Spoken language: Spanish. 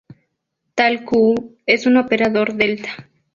Tal "Q" es un operador delta.